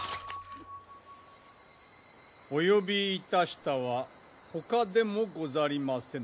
お呼びいたしたはほかでもござりません。